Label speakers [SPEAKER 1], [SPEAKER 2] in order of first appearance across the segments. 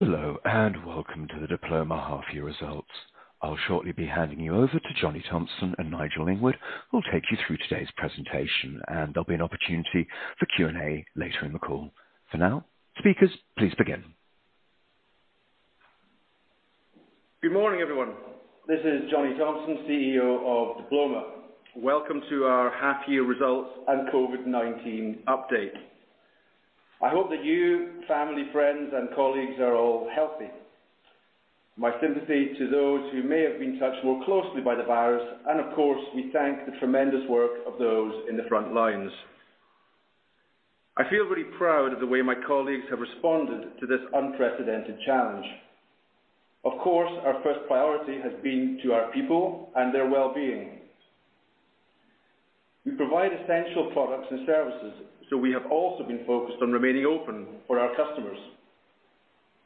[SPEAKER 1] Hello, welcome to the Diploma half-year results. I'll shortly be handing you over to Johnny Thomson and Nigel Lingwood, who will take you through today's presentation, and there'll be an opportunity for Q&A later in the call. For now, speakers, please begin.
[SPEAKER 2] Good morning, everyone. This is Johnny Thomson, CEO of Diploma. Welcome to our half-year results and COVID-19 update. I hope that you, family, friends, and colleagues are all healthy. My sympathy to those who may have been touched more closely by the virus, and of course, we thank the tremendous work of those in the front lines. I feel very proud of the way my colleagues have responded to this unprecedented challenge. Of course, our first priority has been to our people and their well-being. We provide essential products and services, so we have also been focused on remaining open for our customers.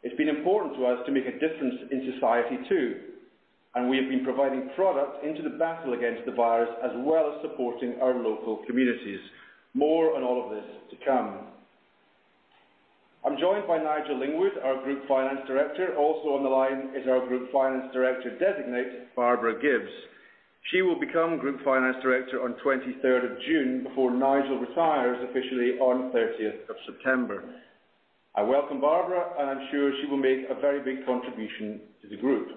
[SPEAKER 2] It's been important to us to make a difference in society too, and we have been providing products into the battle against the virus, as well as supporting our local communities. More on all of this to come. I'm joined by Nigel Lingwood, our Group Finance Director. Also on the line is our Group Finance Director Designate, Barbara Gibbes. She will become Group Finance Director on 23rd of June before Nigel retires officially on 30th of September. I welcome Barbara, and I'm sure she will make a very big contribution to the group.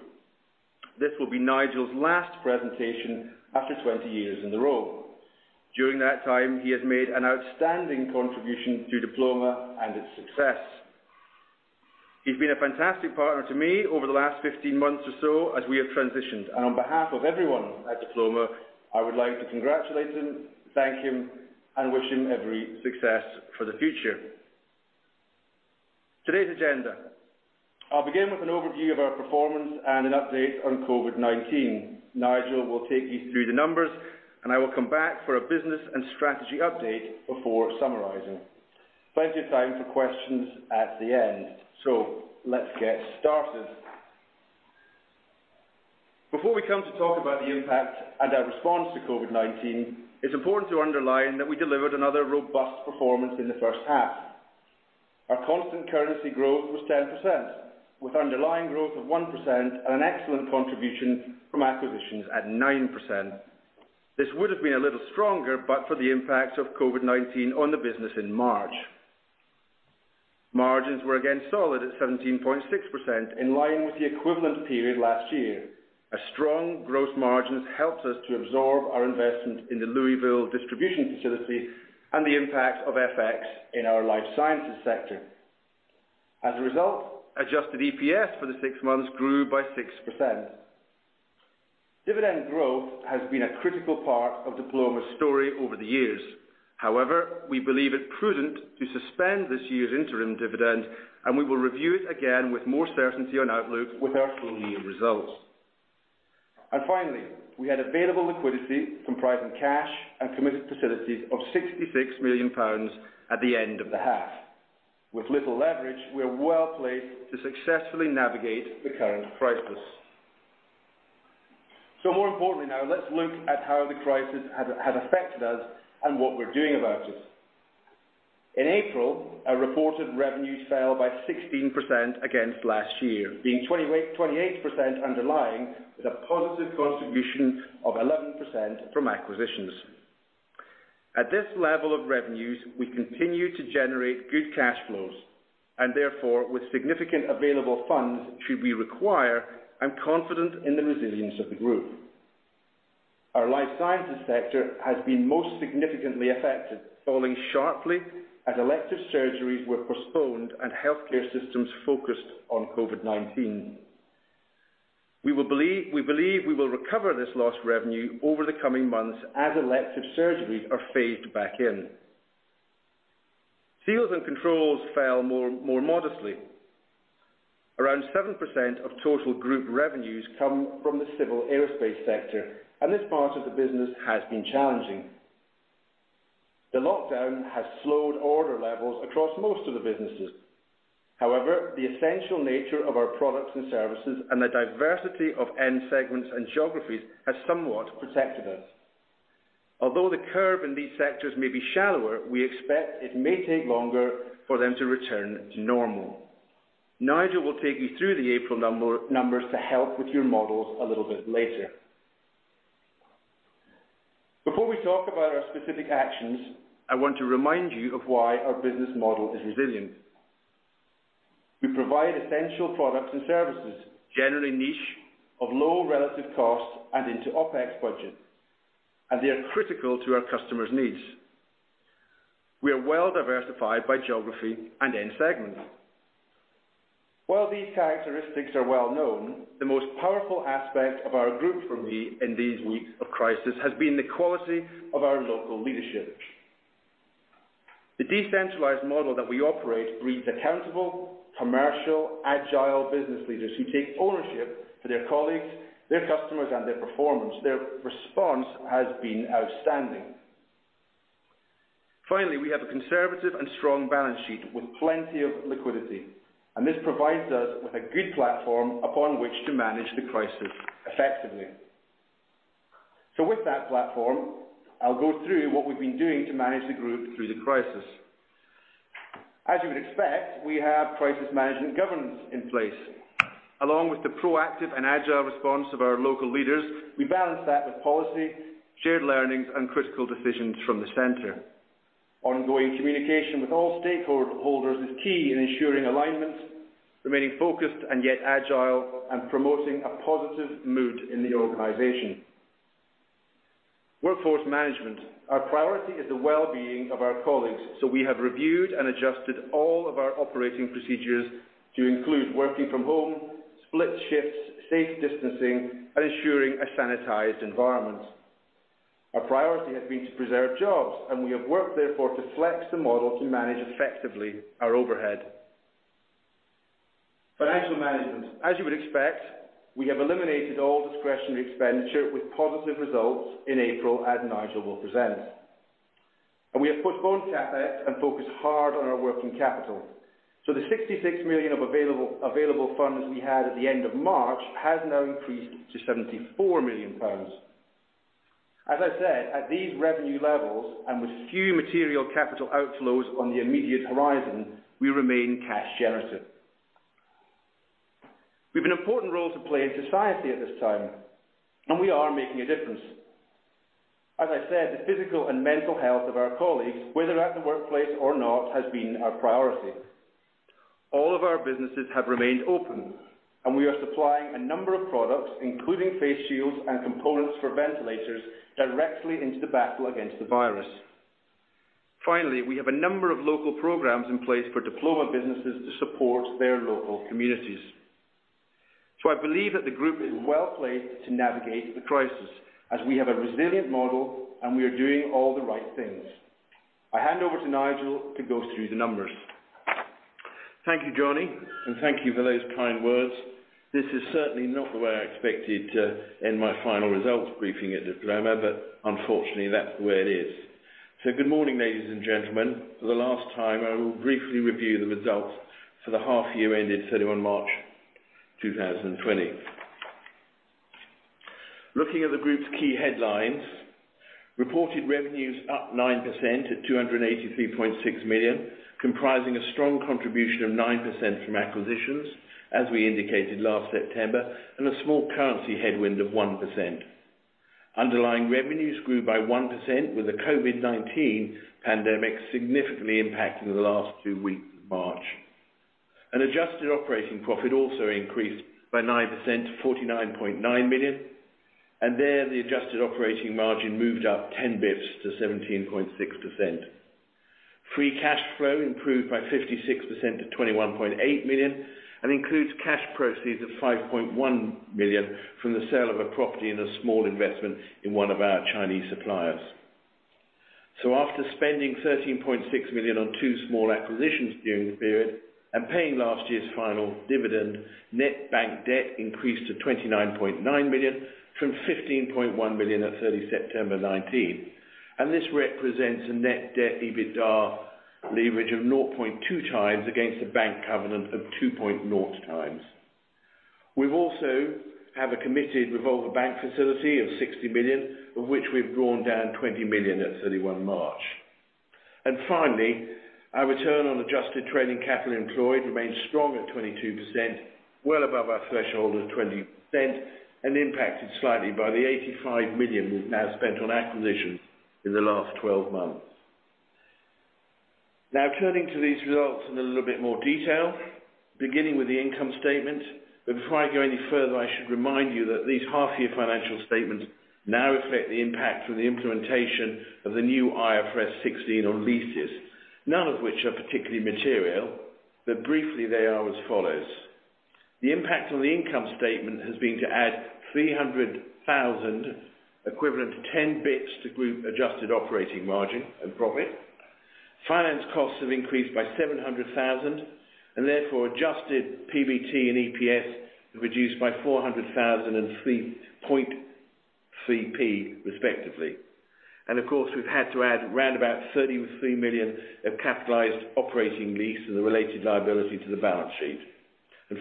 [SPEAKER 2] This will be Nigel's last presentation after 20 years in the role. During that time, he has made an outstanding contribution to Diploma and its success. He's been a fantastic partner to me over the last 15 months or so as we have transitioned, and on behalf of everyone at Diploma, I would like to congratulate him, thank him, and wish him every success for the future. Today's agenda. I'll begin with an overview of our performance and an update on COVID-19. Nigel will take you through the numbers. I will come back for a business and strategy update before summarizing. Plenty of time for questions at the end. Let's get started. Before we come to talk about the impact and our response to COVID-19, it is important to underline that we delivered another robust performance in the first half. Our constant currency growth was 10%, with underlying growth of 1% and an excellent contribution from acquisitions at 9%. This would have been a little stronger, but for the impact of COVID-19 on the business in March. Margins were again solid at 17.6%, in line with the equivalent period last year. A strong gross margin helps us to absorb our investment in the Louisville distribution facility and the impact of FX in our Life Sciences sector. As a result, adjusted EPS for the six months grew by 6%. Dividend growth has been a critical part of Diploma's story over the years. However, we believe it prudent to suspend this year's interim dividend, and we will review it again with more certainty on outlook with our full year results. Finally, we had available liquidity comprising cash and committed facilities of 66 million pounds at the end of the half. With little leverage, we are well-placed to successfully navigate the current crisis. More importantly now, let's look at how the crisis has affected us and what we're doing about it. In April, our reported revenue fell by 16% against last year, being 28% underlying, with a positive contribution of 11% from acquisitions. At this level of revenues, we continue to generate good cash flows, and therefore, with significant available funds should we require, I'm confident in the resilience of the group. Our Life Sciences sector has been most significantly affected, falling sharply as elective surgeries were postponed and healthcare systems focused on COVID-19. We believe we will recover this lost revenue over the coming months as elective surgeries are phased back in. Seals and controls fell more modestly. Around 7% of total group revenues come from the civil aerospace sector, and this part of the business has been challenging. The lockdown has slowed order levels across most of the businesses. However, the essential nature of our products and services and the diversity of end segments and geographies has somewhat protected us. Although the curve in these sectors may be shallower, we expect it may take longer for them to return to normal. Nigel will take you through the April numbers to help with your models a little bit later. Before we talk about our specific actions, I want to remind you of why our business model is resilient. We provide essential products and services, generally niche, of low relative cost, and into OpEx budget. They are critical to our customers' needs. We are well diversified by geography and end segment. While these characteristics are well known, the most powerful aspect of our group for me in these weeks of crisis has been the quality of our local leadership. The decentralized model that we operate breeds accountable, commercial, agile business leaders who take ownership for their colleagues, their customers, and their performance. Their response has been outstanding. Finally, we have a conservative and strong balance sheet with plenty of liquidity, and this provides us with a good platform upon which to manage the crisis effectively. With that platform, I'll go through what we've been doing to manage the group through the crisis. As you would expect, we have crisis management governance in place. Along with the proactive and agile response of our local leaders, we balance that with policy, shared learnings, and critical decisions from the center. Ongoing communication with all stakeholders is key in ensuring alignment, remaining focused and yet agile, and promoting a positive mood in the organization. Workforce management. Our priority is the well-being of our colleagues, so we have reviewed and adjusted all of our operating procedures to include working from home, split shifts, safe distancing, and ensuring a sanitized environment. Our priority has been to preserve jobs, and we have worked therefore to flex the model to manage effectively our overhead. Financial management. As you would expect, we have eliminated all discretionary expenditure with positive results in April, as Nigel will present. We have postponed CapEx and focused hard on our working capital. The 66 million of available funds we had at the end of March has now increased to 74 million pounds. As I said, at these revenue levels, and with few material capital outflows on the immediate horizon, we remain cash generative. We've an important role to play in society at this time, and we are making a difference. As I said, the physical and mental health of our colleagues, whether at the workplace or not, has been our priority. All of our businesses have remained open, and we are supplying a number of products, including face shields and components for ventilators, directly into the battle against the virus. Finally, we have a number of local programs in place for Diploma businesses to support their local communities. I believe that the group is well-placed to navigate the crisis, as we have a resilient model, and we are doing all the right things. I hand over to Nigel to go through the numbers.
[SPEAKER 3] Thank you, Johnny, and thank you for those kind words. This is certainly not the way I expected to end my final results briefing at Diploma, but unfortunately, that's the way it is. Good morning, ladies and gentlemen. For the last time, I will briefly review the results for the half year ended 31 March 2020. Looking at the group's key headlines, reported revenues up 9% at 283.6 million, comprising a strong contribution of 9% from acquisitions, as we indicated last September, and a small currency headwind of 1%. Underlying revenues grew by 1% with the COVID-19 pandemic significantly impacting the last two weeks of March. An adjusted operating profit also increased by 9% to 49.9 million, and there the adjusted operating margin moved up 10 basis points to 17.6%. Free cash flow improved by 56% to 21.8 million and includes cash proceeds of 5.1 million from the sale of a property and a small investment in one of our Chinese suppliers. After spending 13.6 million on two small acquisitions during the period and paying last year's final dividend, net bank debt increased to 29.9 million from 15.1 million at 30 September 2019. This represents a net debt EBITDA leverage of 0.2x against a bank covenant of 2.0x. We also have a committed revolver bank facility of 60 million, of which we've drawn down 20 million at 31 March. Finally, our return on adjusted trading capital employed remains strong at 22%, well above our threshold of 20%, and impacted slightly by the 85 million we've now spent on acquisitions in the last 12 months. Turning to these results in a little bit more detail, beginning with the income statement. Before I go any further, I should remind you that these half-year financial statements now reflect the impact from the implementation of the new IFRS 16 on leases, none of which are particularly material, but briefly they are as follows. The impact on the income statement has been to add 300,000, equivalent to 10 basis points to group adjusted operating margin and profit. Finance costs have increased by 700,000 and therefore adjusted PBT and EPS reduced by 400,000 and 0.033 respectively. Of course, we've had to add around about 33 million of capitalized operating lease and the related liability to the balance sheet.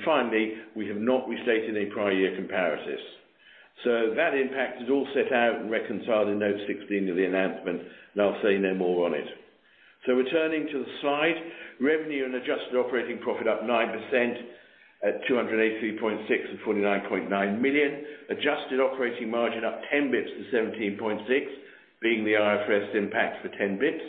[SPEAKER 3] Finally, we have not restated any prior year comparisons. That impact is all set out and reconciled in Note 16 of the announcement. I'll say no more on it. Returning to the slide, revenue and adjusted operating profit up 9% at 283.6 million and 49.9 million. Adjusted operating margin up 10 basis points to 17.6%, being the IFRS impact for 10 basis points.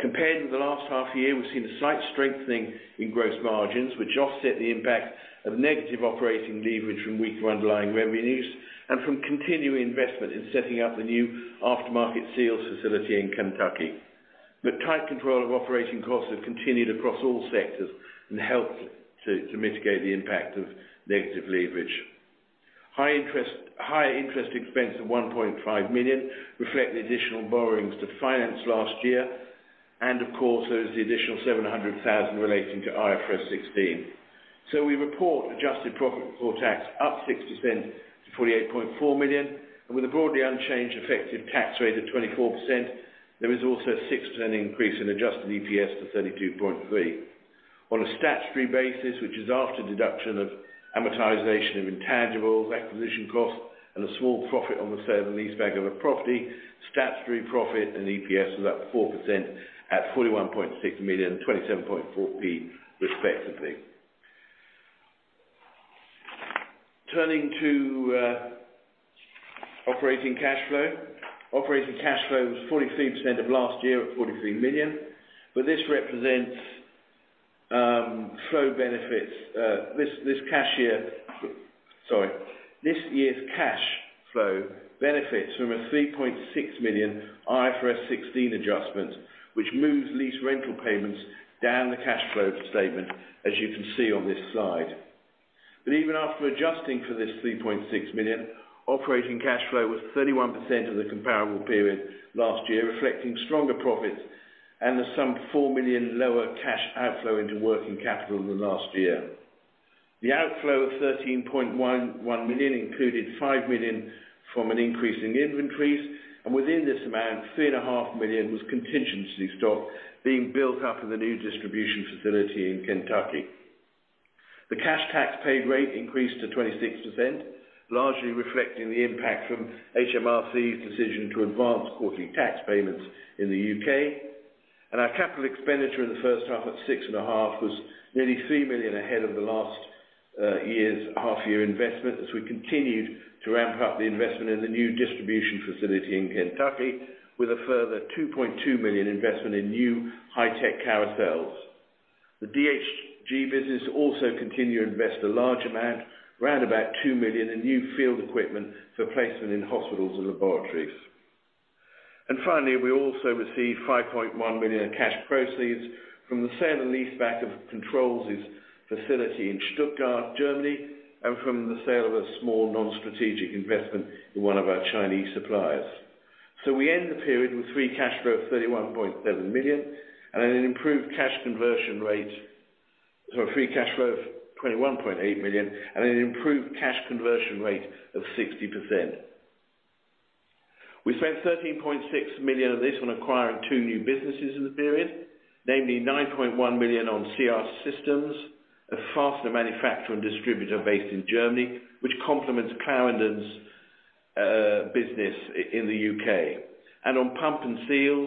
[SPEAKER 3] Compared to the last half year, we've seen a slight strengthening in gross margins, which offset the impact of negative operating leverage from weaker underlying revenues and from continuing investment in setting up the new aftermarket sales facility in Kentucky. The tight control of operating costs have continued across all sectors, helped to mitigate the impact of negative leverage. Higher interest expense of 1.5 million reflect the additional borrowings to finance last year. Of course, there is the additional 700,000 relating to IFRS 16. We report adjusted profit before tax up 60% to 48.4 million, and with a broadly unchanged effective tax rate of 24%, there is also a 6% increase in adjusted EPS to 0.323. On a statutory basis, which is after deduction of amortization of intangibles, acquisition costs, and a small profit on the sale and leaseback of a property, statutory profit and EPS was up 4% at 41.6 million, 0.274 respectively. Turning to operating cash flow. Operating cash flow was 43% of last year at 43 million. This year's cash flow benefits from a 3.6 million IFRS 16 adjustment, which moves lease rental payments down the cash flow statement, as you can see on this slide. Even after adjusting for this 3.6 million, operating cash flow was 31% of the comparable period last year, reflecting stronger profits and some 4 million lower cash outflow into working capital than last year. The outflow of 13.1 million included 5 million from an increase in inventories, and within this amount, 3.5 million was contingency stock being built up in the new distribution facility in Kentucky. The cash tax paid rate increased to 26%, largely reflecting the impact from HMRC's decision to advance quarterly tax payments in the U.K. Our capital expenditure in the first half at 6.5 million was nearly 3 million ahead of last year's half-year investment, as we continued to ramp up the investment in the new distribution facility in Kentucky with a further 2.2 million investment in new high-tech carousels. The DHG business also continued to invest a large amount, around about 2 million, in new field equipment for placement in hospitals and laboratories. Finally, we also received 5.1 million of cash proceeds from the sale and leaseback of Controls' facility in Stuttgart, Germany, and from the sale of a small non-strategic investment in one of our Chinese suppliers. We end the period with free cash flow of 21.8 million and an improved cash conversion rate of 60%. We spent 13.6 million of this on acquiring two new businesses in the period, namely 9.1 million on CR Systems, a fastener manufacturer and distributor based in Germany, which complements Clarendon's business in the U.K., and on PumpNSeal,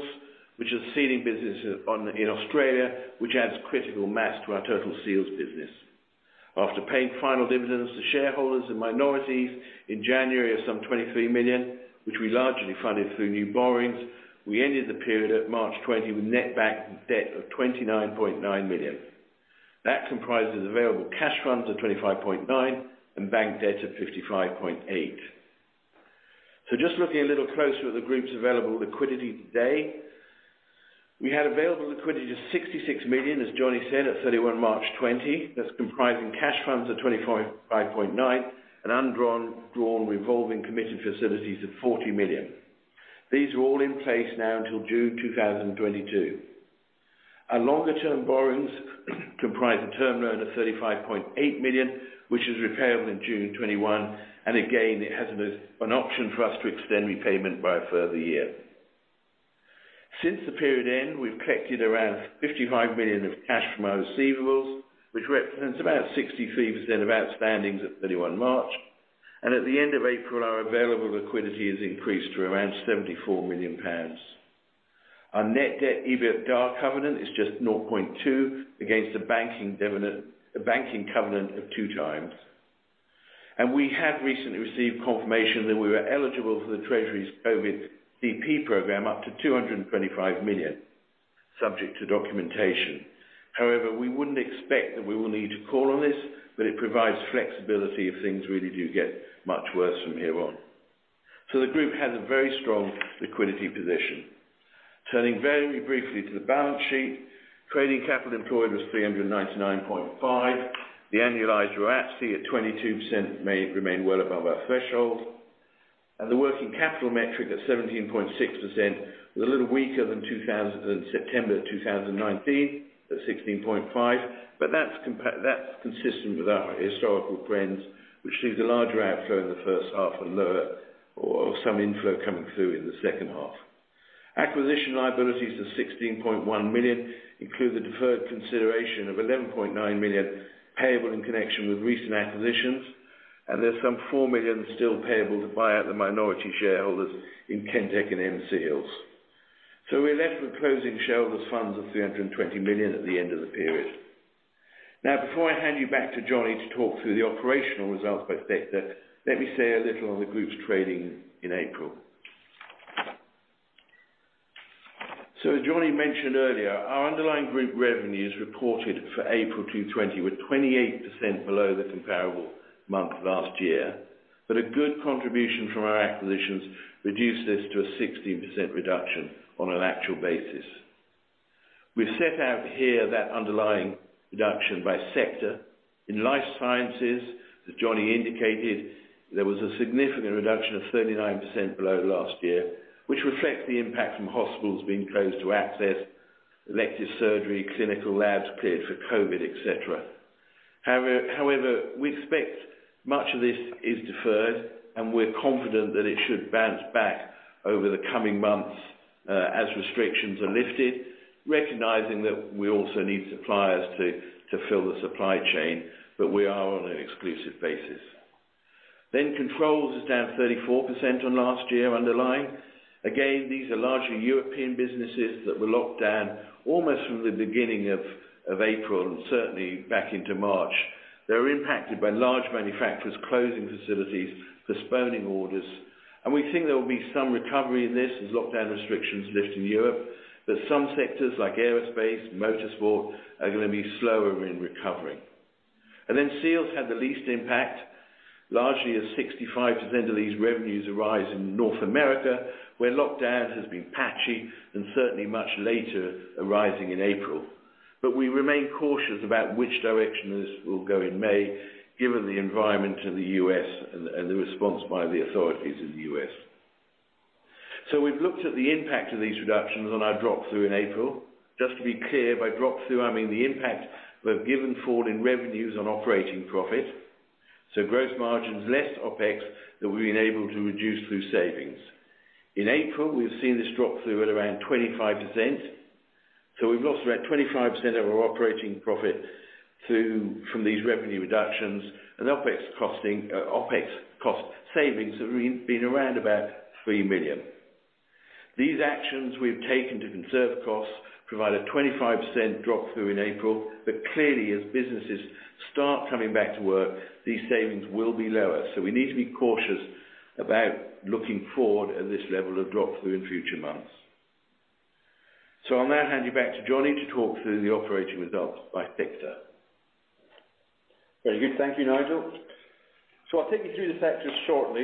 [SPEAKER 3] which is a sealing business in Australia, which adds critical mass to our total seals business. After paying final dividends to shareholders and minorities in January of some 23 million, which we largely funded through new borrowings, we ended the period at March 2020 with net bank debt of 29.9 million. That comprises available cash funds of 25.9 million and bank debt of 55.8 million. Just looking a little closer at the group's available liquidity today. We had available liquidity of 66 million, as Johnny said, at 31 March 2020. That's comprising cash funds of 25.9 million and undrawn revolving committed facilities of 40 million. These are all in place now until June 2022. Our longer-term borrowings comprise a term loan of 35.8 million, which is repayable in June 2021, and again, it has an option for us to extend repayment by a further year. Since the period end, we've collected around 55 million of cash from our receivables, which represents about 63% of outstandings at 31 March. At the end of April, our available liquidity has increased to around 74 million pounds. Our net debt EBITDA covenant is just 0.2x against a banking covenant of 2x. We have recently received confirmation that we were eligible for the Treasury's CCFF up to 225 million, subject to documentation. However, we wouldn't expect that we will need to call on this, but it provides flexibility if things really do get much worse from here on. The group has a very strong liquidity position. Turning very briefly to the balance sheet. Trading capital employed was 399.5. The annualized ROIC at 22% may remain well above our threshold. The working capital metric at 17.6% was a little weaker than September 2019 at 16.5%. That's consistent with our historical trends, which sees a larger outflow in the first half and some inflow coming through in the second half. Acquisition liabilities of 16.1 million include the deferred consideration of 11.9 million payable in connection with recent acquisitions, and there's some 4 million still payable to buy out the minority shareholders in Kentucky and M Seals. We're left with closing shareholders' funds of 320 million at the end of the period. Before I hand you back to Johnny to talk through the operational results by sector, let me say a little on the group's trading in April. As Johnny mentioned earlier, our underlying group revenues reported for April 2020 were 28% below the comparable month of last year, but a good contribution from our acquisitions reduced this to a 16% reduction on an actual basis. We've set out here that underlying reduction by sector. In Life Sciences, as Johnny indicated, there was a significant reduction of 39% below last year, which reflects the impact from hospitals being closed to access, elective surgery, clinical labs cleared for COVID, et cetera. We expect much of this is deferred, and we're confident that it should bounce back over the coming months as restrictions are lifted. Recognizing that we also need suppliers to fill the supply chain, we are on an exclusive basis. Controls is down 34% on last year underlying. These are largely European businesses that were locked down almost from the beginning of April and certainly back into March. They were impacted by large manufacturers closing facilities, postponing orders, and we think there will be some recovery in this as lockdown restrictions lift in Europe. Some sectors, like aerospace, motorsport, are going to be slower in recovering. Then Seals had the least impact, largely as 65% of these revenues arise in North America, where lockdown has been patchy and certainly much later arising in April. We remain cautious about which direction this will go in May, given the environment in the U.S. and the response by the authorities in the U.S. We've looked at the impact of these reductions on our drop-through in April. Just to be clear, by drop-through, I mean the impact we've given forward in revenues on operating profit. Gross margins less OpEx that we've been able to reduce through savings. In April, we've seen this drop-through at around 25%. We've lost about 25% of our operating profit from these revenue reductions, and the OpEx cost savings have been around about 3 million. These actions we've taken to conserve costs provide a 25% drop-through in April. Clearly, as businesses start coming back to work, these savings will be lower. We need to be cautious about looking forward at this level of drop-through in future months. I'll now hand you back to Johnny to talk through the operating results by sector.
[SPEAKER 2] Very good. Thank you, Nigel. I'll take you through the sectors shortly,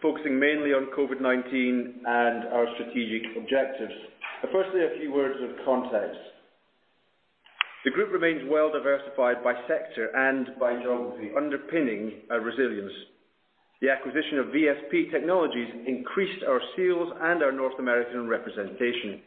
[SPEAKER 2] focusing mainly on COVID-19 and our strategic objectives. Firstly a few words of context. The group remains well diversified by sector and by geography, underpinning our resilience. The acquisition of VSP Technologies increased our Seals and our North American representation.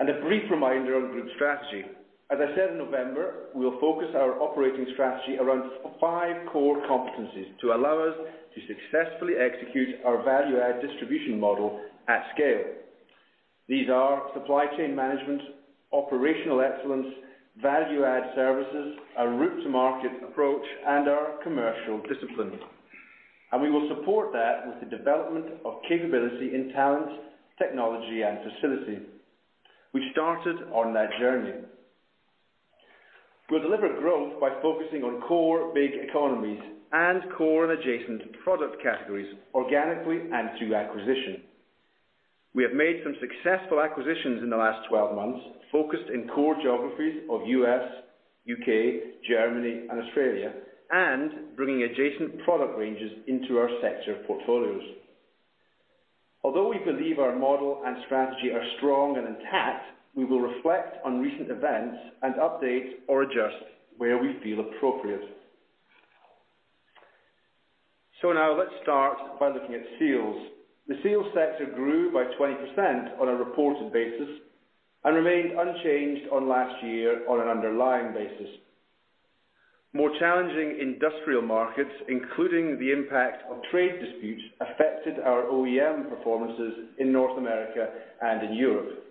[SPEAKER 2] A brief reminder on group strategy. As I said in November, we'll focus our operating strategy around five core competencies to allow us to successfully execute our value-add distribution model at scale. These are supply chain management, operational excellence, value-add services, our route to market approach, and our commercial discipline. We will support that with the development of capability in talent, technology, and facility. We started on that journey. We'll deliver growth by focusing on core big economies and core and adjacent product categories organically and through acquisition. We have made some successful acquisitions in the last 12 months, focused in core geographies of U.S., U.K., Germany, and Australia, and bringing adjacent product ranges into our sector portfolios. Although we believe our model and strategy are strong and intact, we will reflect on recent events and update or adjust where we feel appropriate. Now let's start by looking at Seals. The Seals sector grew by 20% on a reported basis and remained unchanged on last year on an underlying basis. However, more challenging industrial markets, including the impact of trade disputes, affected our OEM performances in North America and in Europe.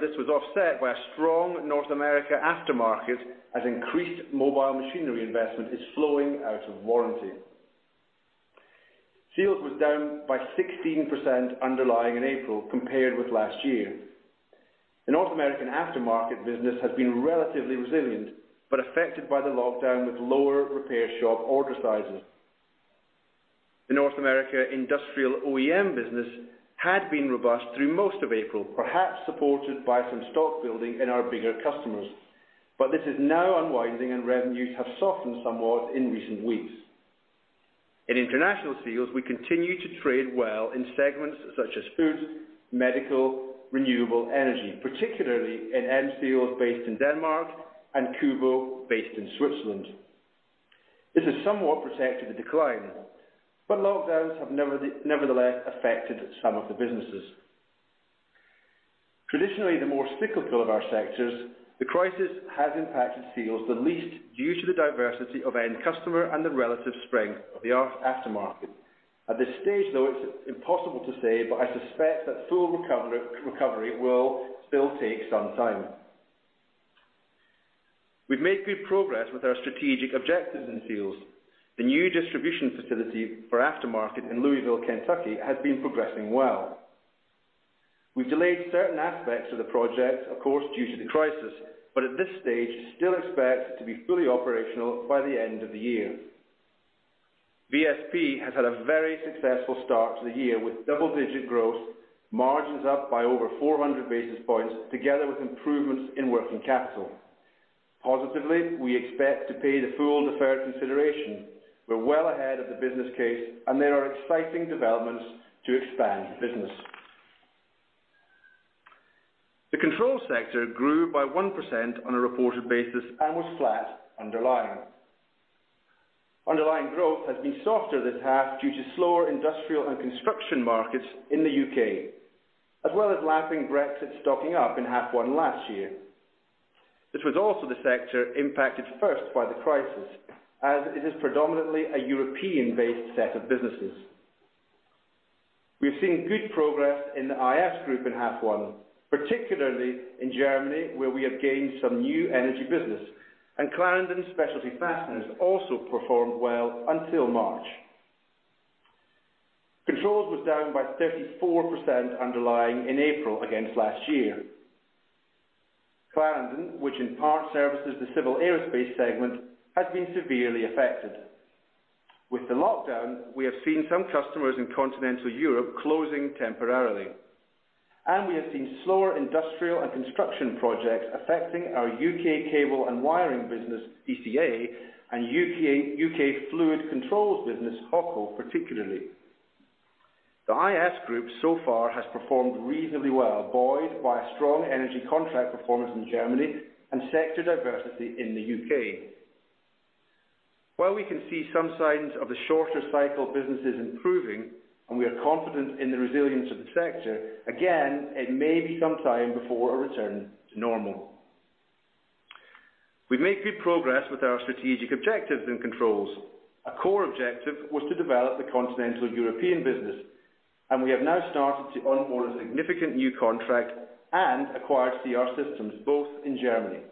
[SPEAKER 2] This was offset by a strong North America aftermarket, as increased mobile machinery investment is flowing out of warranty. Seals was down by 16% underlying in April compared with last year. The North American aftermarket business has been relatively resilient but affected by the lockdown, with lower repair shop order sizes. The North America Industrial OEM business had been robust through most of April, perhaps supported by some stock building in our bigger customers. This is now unwinding, and revenues have softened somewhat in recent weeks. In International Seals, we continue to trade well in segments such as food, medical, renewable energy, particularly in M Seals, based in Denmark, and KUBO, based in Switzerland. This has somewhat protected the decline, lockdowns have nevertheless affected some of the businesses. Traditionally the more cyclical of our sectors, the crisis has impacted Seals the least due to the diversity of end customer and the relative strength of the aftermarket. At this stage, though, it's impossible to say, I suspect that full recovery will still take some time. We've made good progress with our strategic objectives in Seals. The new distribution facility for aftermarket in Louisville, Kentucky, has been progressing well. We've delayed certain aspects of the project, of course, due to the crisis, but at this stage still expect it to be fully operational by the end of the year. VSP has had a very successful start to the year with double-digit growth, margins up by over 400 basis points, together with improvements in working capital. Positively, we expect to pay the full deferred consideration. We're well ahead of the business case, and there are exciting developments to expand the business. The Controls sector grew by 1% on a reported basis and was flat underlying. Underlying growth has been softer this half due to slower industrial and construction markets in the U.K., as well as lapping Brexit, stocking up in half one last year. This was also the sector impacted first by the crisis, as it is predominantly a European-based set of businesses. We have seen good progress in the IS Group in half one, particularly in Germany, where we have gained some new energy business, and Clarendon Specialty Fasteners also performed well until March. Controls was down by 34% underlying in April against last year. Clarendon, which in part services the civil aerospace segment, has been severely affected. With the lockdown, we have seen some customers in continental Europe closing temporarily, and we have seen slower industrial and construction projects affecting our U.K. cable and wiring business, CCA, and U.K. fluid controls business, Hawco, particularly. The IS Group so far has performed reasonably well, buoyed by a strong energy contract performance in Germany and sector diversity in the U.K. While we can see some signs of the shorter cycle businesses improving and we are confident in the resilience of the sector, again, it may be some time before a return to normal. We've made good progress with our strategic objectives and Controls. A core objective was to develop the continental European business, and we have now started to onboard a significant new contract and acquire CR Systems, both in Germany.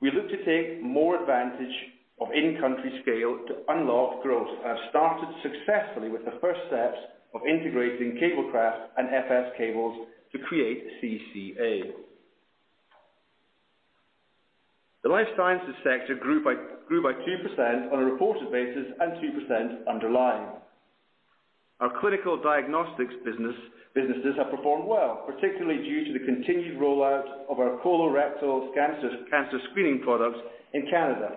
[SPEAKER 2] We look to take more advantage of in-country scale to unlock growth and have started successfully with the first steps of integrating Cablecraft and FS Cables to create CCA. The Life Sciences sector grew by 2% on a reported basis and 2% underlying. Our clinical diagnostics businesses have performed well, particularly due to the continued rollout of our colorectal cancer screening products in Canada.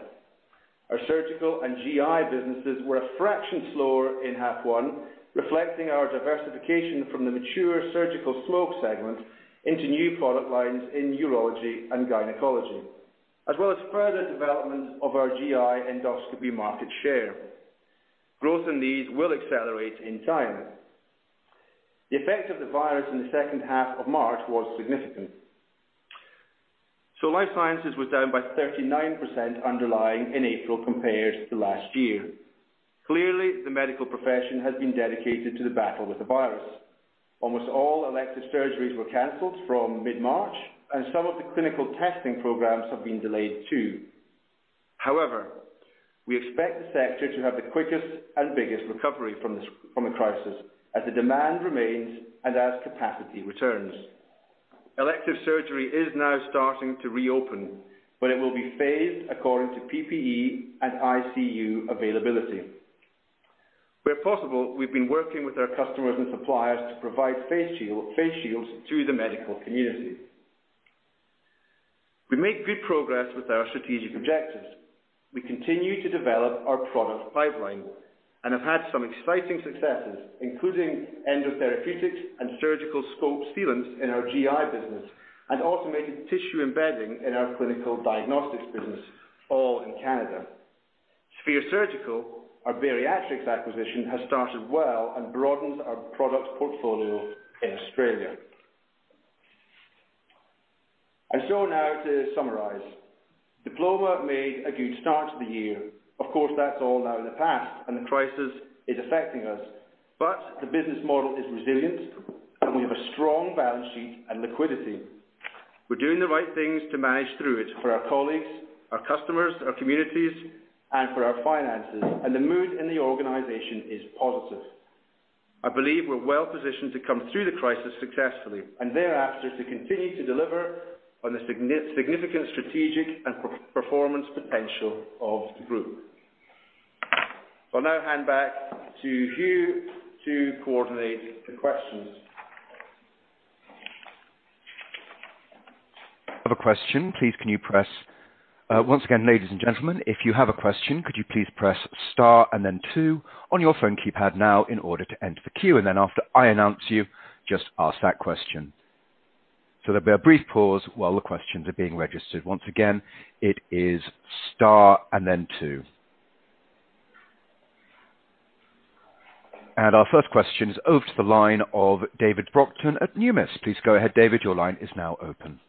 [SPEAKER 2] Our surgical and GI businesses were a fraction slower in half one, reflecting our diversification from the mature surgical smoke segment into new product lines in urology and gynecology, as well as further development of our GI endoscopy market share. Growth in these will accelerate in time. The effect of the virus in the second half of March was significant. Life Sciences was down by 39% underlying in April compared to last year. Clearly, the medical profession has been dedicated to the battle with the virus. Almost all elective surgeries were canceled from mid-March, some of the clinical testing programs have been delayed, too. However, we expect the sector to have the quickest and biggest recovery from the crisis as the demand remains and as capacity returns. Elective surgery is now starting to reopen, it will be phased according to PPE and ICU availability. Where possible, we've been working with our customers and suppliers to provide face shields to the medical community. We made good progress with our strategic objectives. We continue to develop our product pipeline and have had some exciting successes, including endo-therapeutics and surgical scope sealants in our GI business, and automated tissue embedding in our clinical diagnostics business, all in Canada. Sphere Surgical, our bariatrics acquisition, has started well and broadens our product portfolio in Australia. Now to summarize. Diploma made a good start to the year. Of course, that's all now in the past and the crisis is affecting us. The business model is resilient and we have a strong balance sheet and liquidity. We're doing the right things to manage through it for our colleagues, our customers, our communities, and for our finances. The mood in the organization is positive. I believe we're well positioned to come through the crisis successfully, and thereafter, to continue to deliver on the significant strategic and performance potential of the group. I'll now hand back to Hugh to coordinate the questions.
[SPEAKER 1] Once again, ladies and gentlemen, if you have a question, could you please press star and then two on your phone keypad now in order to enter the queue. Then after I announce you, just ask that question. There'll be a brief pause while the questions are being registered. Once again, it is star and then two. Our first question is over to the line of David Brockton at Numis. Please go ahead, David. Your line is now open.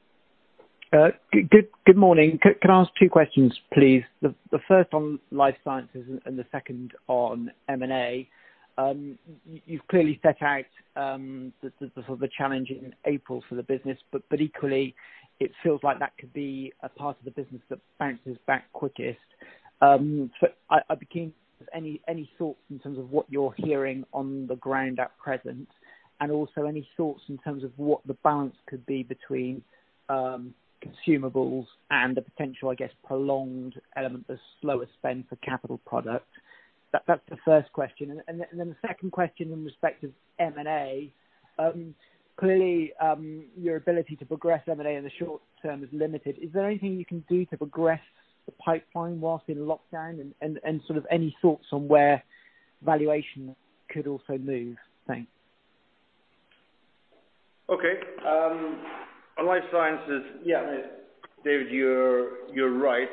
[SPEAKER 4] Good morning. Can I ask two questions, please? The first on Life Sciences and the second on M&A. You've clearly set out the challenge in April for the business, but equally it feels like that could be a part of the business that bounces back quickest. I'd be keen, any thoughts in terms of what you're hearing on the ground at present, and also any thoughts in terms of what the balance could be between consumables and the potential, I guess, prolonged element of slower spend for capital product? That's the first question. Then the second question in respect of M&A. Clearly, your ability to progress M&A in the short term is limited. Is there anything you can do to progress the pipeline whilst in lockdown and any thoughts on where valuation could also move? Thanks.
[SPEAKER 2] Okay. On Life Sciences.
[SPEAKER 4] Yeah.
[SPEAKER 2] David, you're right.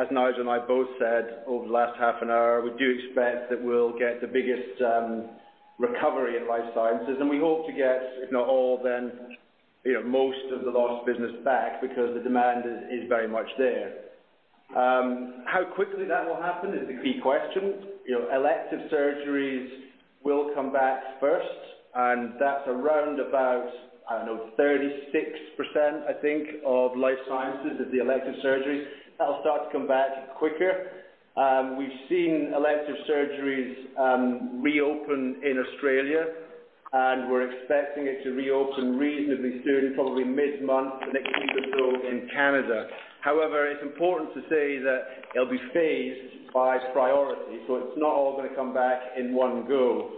[SPEAKER 2] As Nigel and I both said over the last half an hour, we do expect that we'll get the biggest recovery in Life Sciences. We hope to get, if not all, then most of the lost business back because the demand is very much there. How quickly that will happen is the key question. Elective surgeries will come back first, and that's around about, I don't know, 36%, I think, of Life Sciences is the elective surgery. That'll start to come back quicker. We've seen elective surgeries reopen in Australia, we're expecting it to reopen reasonably soon, probably mid-month, next week or so in Canada. However, it's important to say that it'll be phased by priority, it's not all going to come back in one go.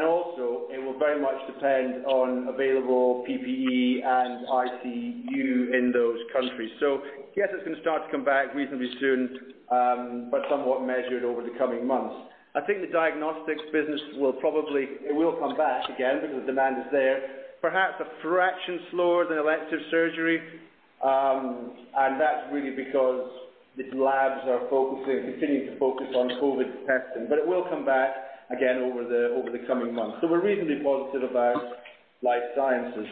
[SPEAKER 2] Also it will very much depend on available PPE and ICU in those countries. Yes, it's going to start to come back reasonably soon, but somewhat measured over the coming months. I think the diagnostics business will come back again because the demand is there, perhaps a fraction slower than elective surgery. That's really because the labs are focusing, continuing to focus on COVID testing. It will come back again over the coming months. We're reasonably positive about Life Sciences.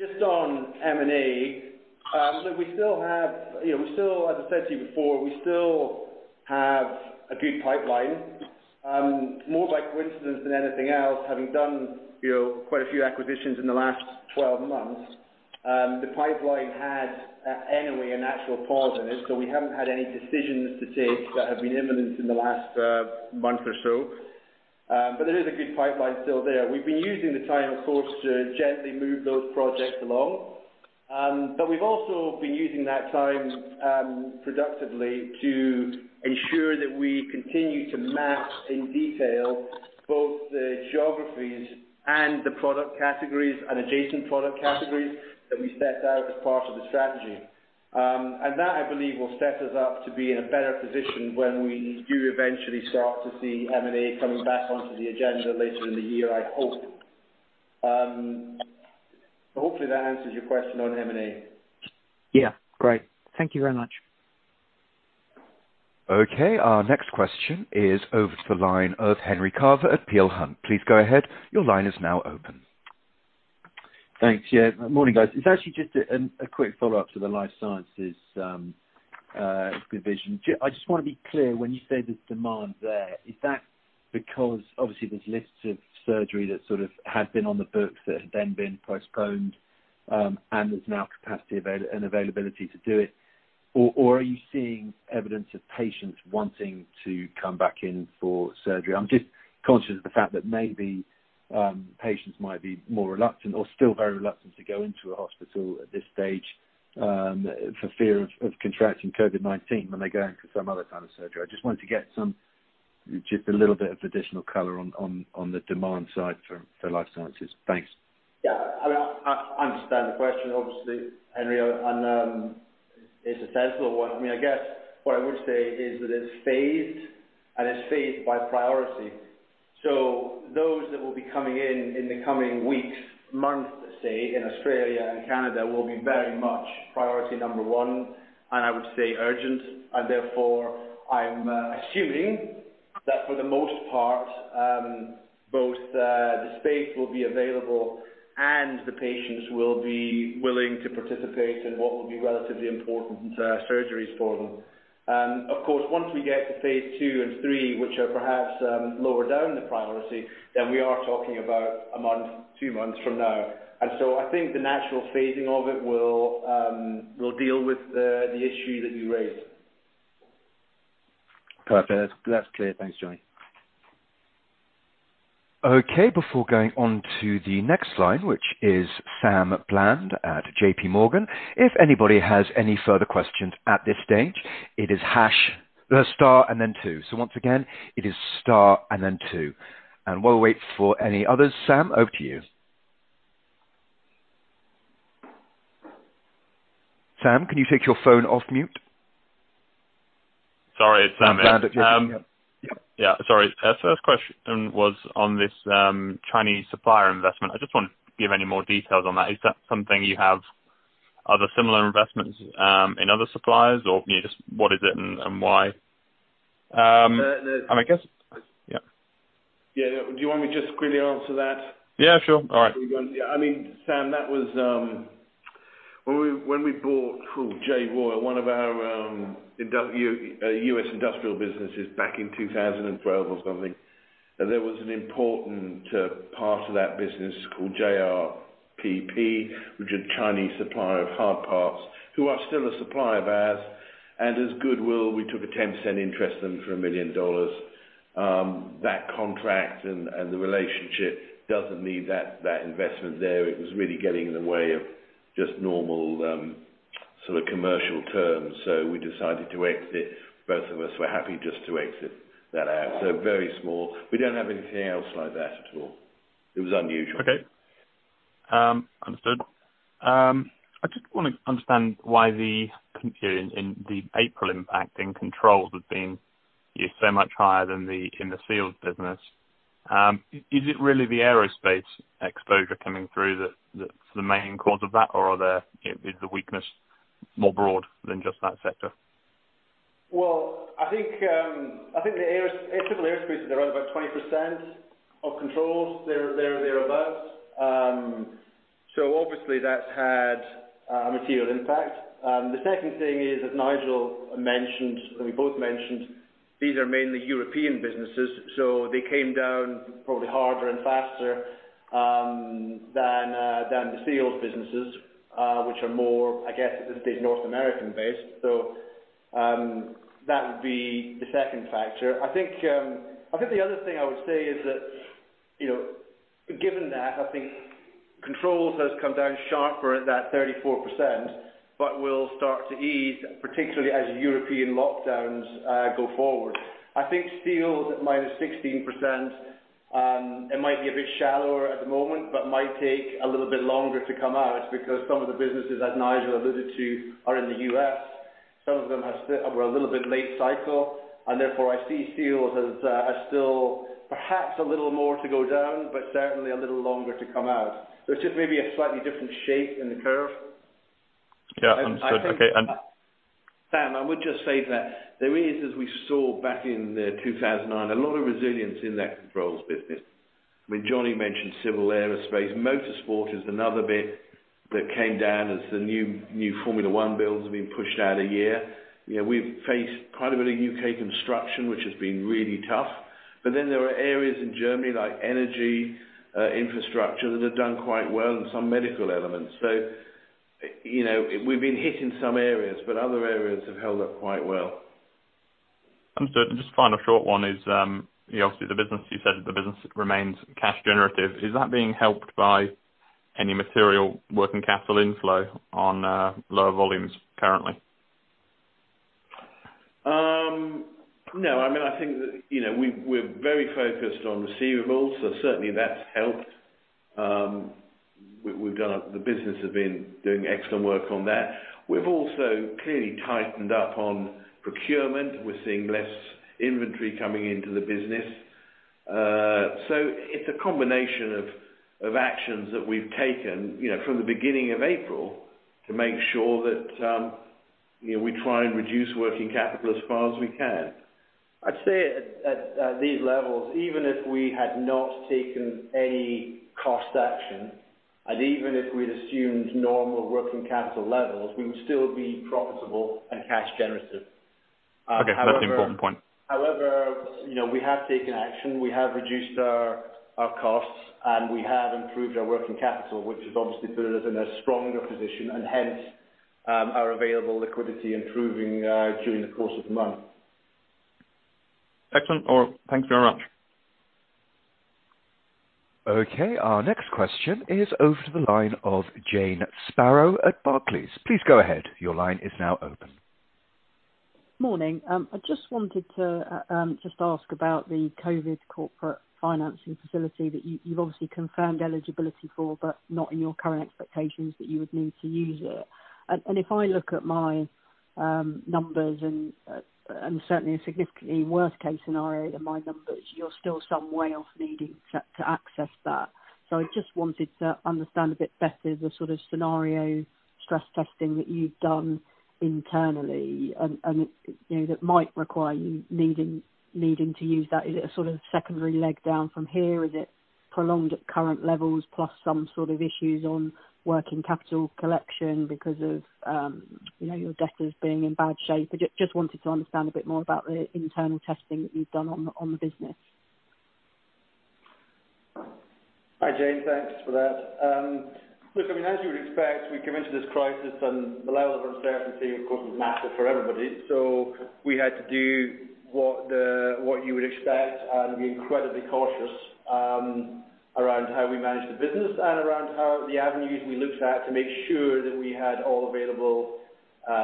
[SPEAKER 2] Just on M&A, as I said to you before, we still have a good pipeline. More by coincidence than anything else, having done quite a few acquisitions in the last 12 months. The pipeline had anyway a natural pause in it. We haven't had any decisions to take that have been imminent in the last month or so. There is a good pipeline still there. We've been using the time, of course, to gently move those projects along. We've also been using that time productively to ensure that we continue to map in detail both the geographies and the product categories and adjacent product categories that we set out as part of the strategy. That, I believe, will set us up to be in a better position when we do eventually start to see M&A coming back onto the agenda later in the year, I hope. Hopefully, that answers your question on M&A.
[SPEAKER 4] Yeah, great. Thank you very much.
[SPEAKER 1] Okay, our next question is over to the line of Henry Carver at Peel Hunt. Please go ahead. Your line is now open.
[SPEAKER 5] Thanks. Yeah. Morning, guys. It's actually just a quick follow-up to the Life Sciences division. I just want to be clear, when you say there's demand there, is that because obviously there are lists of surgery that sort of have been on the books that have then been postponed, and there's now capacity and availability to do it? Are you seeing evidence of patients wanting to come back in for surgery? I'm just conscious of the fact that maybe patients might be more reluctant or still very reluctant to go into a hospital at this stage for fear of contracting COVID-19 when they go in for some other kind of surgery. I just wanted to get just a little bit of additional color on the demand side for Life Sciences. Thanks.
[SPEAKER 2] Yeah. I understand the question, obviously, Henry, and it's a sensible one. I guess what I would say is that it's phased, and it's phased by priority. Those that will be coming in in the coming weeks, months, say, in Australia and Canada, will be very much priority number one, and I would say urgent. Therefore, I'm assuming that for the most part, both the space will be available and the patients will be willing to participate in what will be relatively important surgeries for them. Of course, once we get to phase II and III, which are perhaps lower down the priority, then we are talking about a month, two months from now. I think the natural phasing of it will deal with the issue that you raised.
[SPEAKER 5] Perfect. That's clear. Thanks, Johnny.
[SPEAKER 1] Okay. Before going on to the next line, which is Sam Bland at JPMorgan, if anybody has any further questions at this stage, it is hash star and then two. Once again, it is star and then two. While we wait for any others, Sam, over to you. Sam, can you take your phone off mute?
[SPEAKER 6] Sorry. It's Sam here.
[SPEAKER 1] Sam Bland at JPMorgan. Yep.
[SPEAKER 6] Yeah. Sorry. First question was on this Chinese supplier investment. I just wonder if you have any more details on that. Is that something you have other similar investments in other suppliers or just what is it and why?
[SPEAKER 2] The-
[SPEAKER 6] I guess, yeah.
[SPEAKER 3] Yeah. Do you want me just quickly answer that?
[SPEAKER 6] Yeah, sure. All right.
[SPEAKER 3] I mean, Sam, that was when we bought J Royal, one of our U.S. industrial businesses back in 2012 or something. There was an important part of that business called JRPP, which is a Chinese supplier of hard parts who are still a supplier of ours. As goodwill, we took a 10% interest in them for $1 million. That contract and the relationship doesn't need that investment there. It was really getting in the way of just normal sort of commercial terms. We decided to exit. Both of us were happy just to exit that out. Very small. We don't have anything else like that at all. It was unusual.
[SPEAKER 6] Okay. Understood. I just want to understand why the material in the April impact in Controls has been so much higher than in the Seals business. Is it really the aerospace exposure coming through that's the main cause of that, or is the weakness more broad than just that sector?
[SPEAKER 2] Civil aerospace is around about 20% of Controls, thereabout. Obviously that's had a material impact. The second thing is, as Nigel mentioned, we both mentioned, these are mainly European businesses, so they came down probably harder and faster than the Seals businesses, which are more, I guess at this stage, North American based. That would be the second factor. I think the other thing I would say is that, given that, I think Controls has come down sharper at that 34%, but will start to ease, particularly as European lockdowns go forward. I think Seals at -16%, it might be a bit shallower at the moment, but might take a little bit longer to come out because some of the businesses, as Nigel alluded to, are in the U.S., some of them were a little bit late cycle, and therefore I see Seals has still perhaps a little more to go down, but certainly a little longer to come out. It's just maybe a slightly different shape in the curve.
[SPEAKER 6] Yeah. Understood. Okay.
[SPEAKER 3] Sam, I would just say that there is, as we saw back in 2009, a lot of resilience in that Controls business. Johnny mentioned civil aerospace. Motorsport is another bit that came down as the new Formula 1 builds have been pushed out a year. We've faced quite a bit of U.K. construction, which has been really tough, but then there are areas in Germany like energy, infrastructure that have done quite well, and some medical elements. We've been hit in some areas, but other areas have held up quite well.
[SPEAKER 6] Understood. Just final short one is, obviously you said that the business remains cash generative. Is that being helped by any material working capital inflow on lower volumes currently?
[SPEAKER 3] No. I think that we're very focused on receivables, certainly that's helped. The business has been doing excellent work on that. We've also clearly tightened up on procurement. We're seeing less inventory coming into the business. It's a combination of actions that we've taken from the beginning of April to make sure that we try and reduce working capital as far as we can.
[SPEAKER 2] I'd say at these levels, even if we had not taken any cost action, and even if we'd assumed normal working capital levels, we would still be profitable and cash generative.
[SPEAKER 6] Okay. That's the important point.
[SPEAKER 2] However, we have taken action. We have reduced our costs, and we have improved our working capital, which has obviously put us in a stronger position and hence our available liquidity improving during the course of the month.
[SPEAKER 6] Excellent. All right. Thank you very much.
[SPEAKER 1] Okay. Our next question is over to the line of Jane Sparrow at Barclays. Please go ahead. Your line is now open.
[SPEAKER 7] Morning. I just wanted to ask about the Covid Corporate Financing Facility that you've obviously confirmed eligibility for, but not in your current expectations that you would need to use it. If I look at my numbers, and certainly a significantly worse case scenario than my numbers, you're still some way off needing to access that. I just wanted to understand a bit better the sort of scenario stress testing that you've done internally, and that might require you needing to use that. Is it a sort of secondary leg down from here? Is it prolonged at current levels plus some sort of issues on working capital collection because of your debtors being in bad shape? I just wanted to understand a bit more about the internal testing that you've done on the business.
[SPEAKER 2] Hi, Jane. Thanks for that. Look, as you would expect, we come into this crisis and the level of uncertainty, of course, was massive for everybody. We had to do what you would expect and be incredibly cautious around how we manage the business and around how the avenues we looked at to make sure that we had all available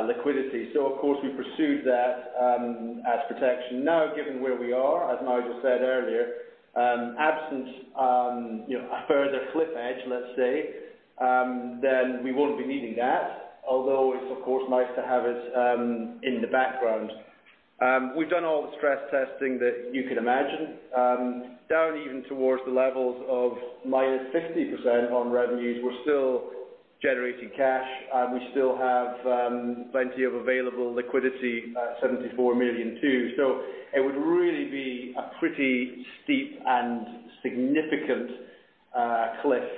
[SPEAKER 2] liquidity. Of course, we pursued that as protection. Now, given where we are, as Nigel said earlier, absent a further cliff edge, let's say, then we won't be needing that, although it's of course nice to have it in the background. We've done all the stress testing that you can imagine. Down even towards the levels of -50% on revenues, we're still generating cash. We still have plenty of available liquidity at 74 million too. It would really be a pretty steep and significant cliff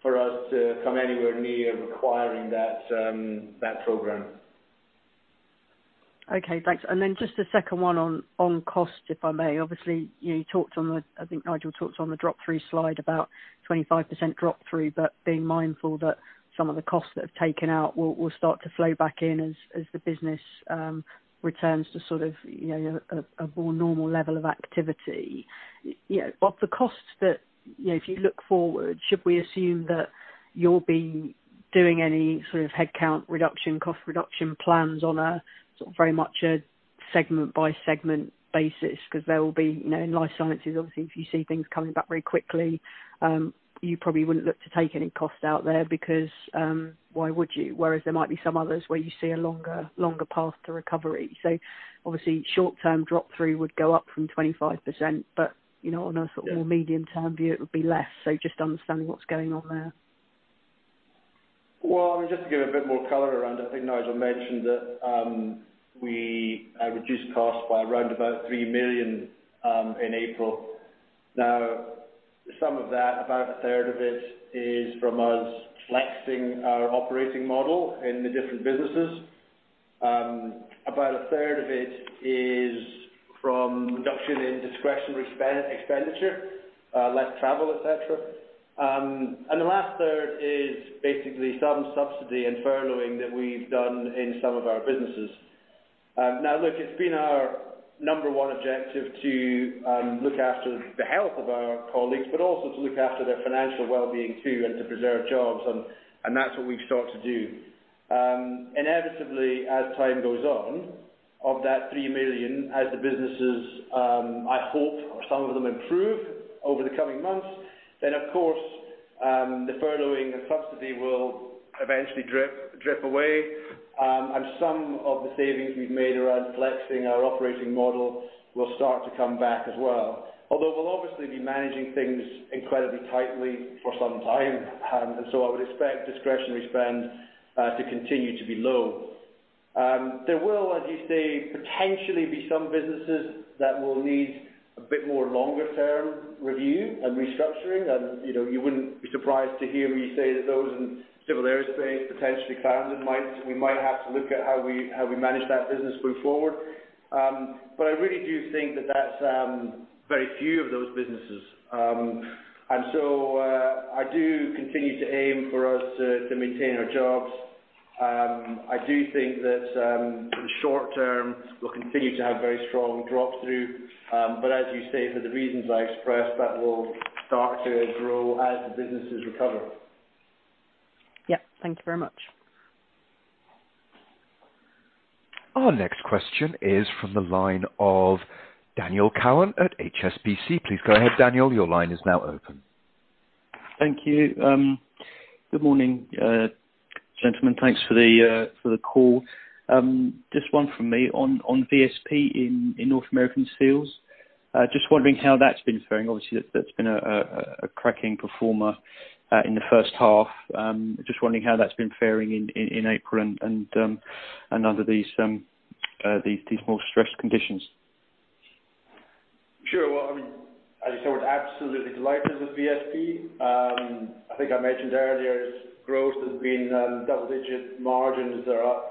[SPEAKER 2] for us to come anywhere near requiring that program.
[SPEAKER 7] Okay, thanks. Just a second one on cost, if I may. Obviously, I think Nigel talked on the drop-through slide about 25% drop-through, but being mindful that some of the costs that have taken out will start to flow back in as the business returns to sort of a more normal level of activity. Of the costs that if you look forward, should we assume that you'll be doing any sort of headcount reduction, cost reduction plans on a sort of very much a segment-by-segment basis, because there will be, in Life Sciences, obviously, if you see things coming back very quickly, you probably wouldn't look to take any cost out there because why would you? There might be some others where you see a longer path to recovery. Obviously short-term drop-through would go up from 25%, but on a sort of more medium-term view, it would be less. Just understanding what's going on there.
[SPEAKER 2] Well, just to give a bit more color around it, I think Nigel mentioned that we reduced costs by around about 3 million in April. Some of that, about a third of it, is from us flexing our operating model in the different businesses. About a third of it is from reduction in discretionary expenditure, less travel, et cetera. The last third is basically some subsidy and furloughing that we've done in some of our businesses. Look, it's been our number one objective to look after the health of our colleagues, but also to look after their financial well-being too, and to preserve jobs, and that's what we've sought to do. Inevitably, as time goes on, of that 3 million, as the businesses, I hope some of them improve over the coming months, then of course, the furloughing and subsidy will eventually drip away, and some of the savings we've made around flexing our operating model will start to come back as well. Although we'll obviously be managing things incredibly tightly for some time. I would expect discretionary spend to continue to be low. There will, as you say, potentially be some businesses that will need a bit more longer term review and restructuring. You wouldn't be surprised to hear me say that those in civil aerospace, potentially Clarendon, we might have to look at how we manage that business going forward. I really do think that that's very few of those businesses. I do continue to aim for us to maintain our jobs. I do think that in the short term, we'll continue to have very strong drop-through. As you say, for the reasons I expressed, that will start to grow as the businesses recover.
[SPEAKER 7] Yep. Thank you very much.
[SPEAKER 1] Our next question is from the line of Daniel Cowan at HSBC. Please go ahead, Daniel. Your line is now open.
[SPEAKER 8] Thank you. Good morning, gentlemen. Thanks for the call. Just one from me on VSP in North American Seals. Just wondering how that's been faring. Obviously, that's been a cracking performer in the first half. Just wondering how that's been faring in April and under these more stressed conditions.
[SPEAKER 2] Sure. Well, as you saw, we're absolutely delighted with VSP. I think I mentioned earlier its growth has been double-digit, margins are up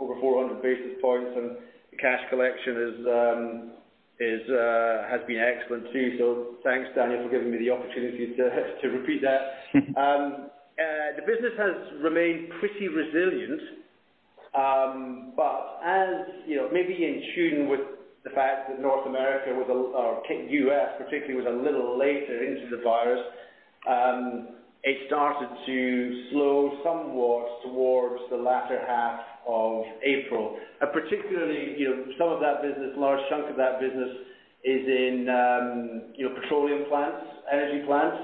[SPEAKER 2] over 400 basis points, and cash collection has been excellent too. Thanks, Daniel, for giving me the opportunity to repeat that. The business has remained pretty resilient. Maybe in tune with the fact that North America, or U.S. particularly, was a little later into the virus, it started to slow somewhat towards the latter half of April. Particularly, some of that business, a large chunk of that business is in petroleum plants, energy plants,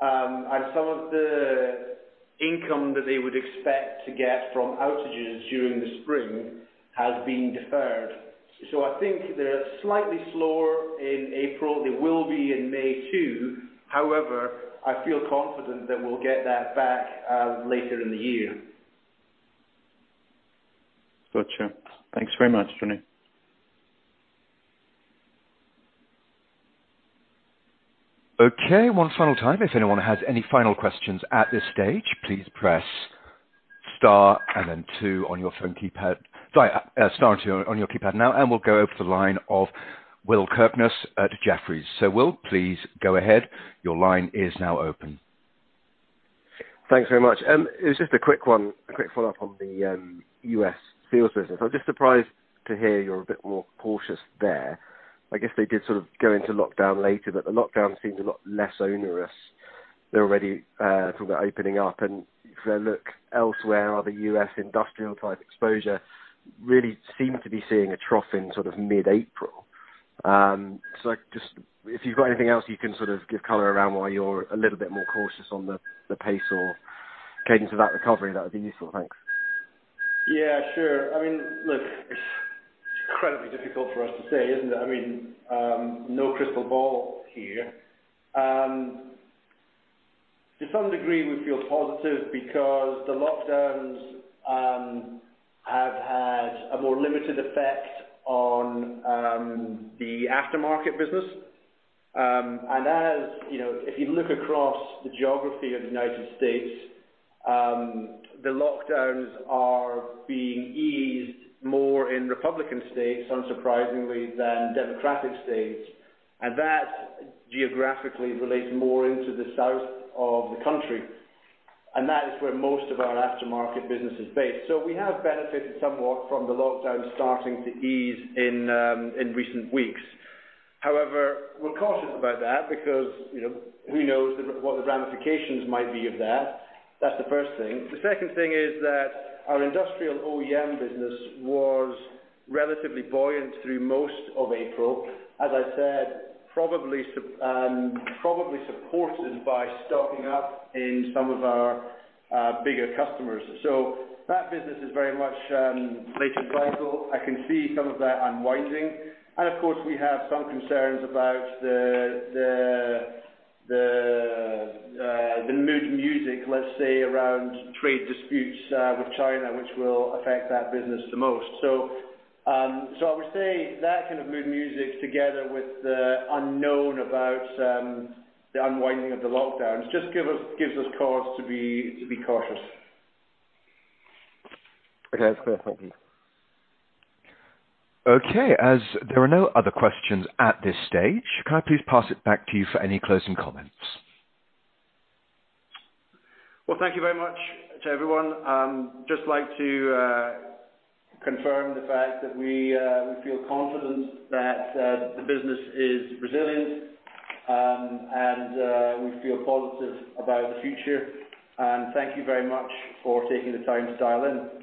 [SPEAKER 2] and some of the income that they would expect to get from outages during the spring has been deferred. I think they're slightly slower in April. They will be in May too. I feel confident that we'll get that back later in the year.
[SPEAKER 8] Got you. Thanks very much, Johnny.
[SPEAKER 1] Okay, one final time. If anyone has any final questions at this stage, please press star and then two on your phone keypad. Sorry, star two on your keypad now, we'll go over to the line of Will Kirkness at Jefferies. Will, please go ahead. Your line is now open.
[SPEAKER 9] Thanks very much. It was just a quick one, a quick follow-up on the U.S. Seals business. I was just surprised to hear you're a bit more cautious there. I guess they did sort of go into lockdown later, but the lockdown seemed a lot less onerous. They're already talking about opening up, and if I look elsewhere, other U.S. industrial-type exposure really seem to be seeing a trough in mid-April. If you've got anything else you can give color around why you're a little bit more cautious on the pace or cadence of that recovery, that would be useful. Thanks.
[SPEAKER 2] Yeah, sure. Look, it's incredibly difficult for us to say, isn't it? No crystal ball here. To some degree, we feel positive because the lockdowns have had a more limited effect on the aftermarket business. If you look across the geography of the U.S., the lockdowns are being eased more in Republican states, unsurprisingly, than Democratic states. That geographically relates more into the south of the country, and that is where most of our aftermarket business is based. We have benefited somewhat from the lockdowns starting to ease in recent weeks. We're cautious about that because who knows what the ramifications might be of that. That's the first thing. The second thing is that our industrial OEM business was relatively buoyant through most of April, as I said, probably supported by stocking up in some of our bigger customers. That business is very much later cycle. I can see some of that unwinding. Of course, we have some concerns about the mood music, let's say, around trade disputes with China, which will affect that business the most. I would say that kind of mood music together with the unknown about the unwinding of the lockdowns just gives us cause to be cautious.
[SPEAKER 9] Okay, that's clear. Thank you.
[SPEAKER 1] Okay. As there are no other questions at this stage, can I please pass it back to you for any closing comments?
[SPEAKER 2] Well, thank you very much to everyone. Just like to confirm the fact that we feel confident that the business is resilient, and we feel positive about the future. Thank you very much for taking the time to dial in.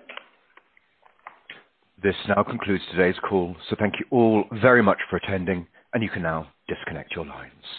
[SPEAKER 1] This now concludes today's call. Thank you all very much for attending, and you can now disconnect your lines.